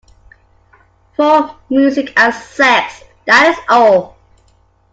For music and sex, that is all.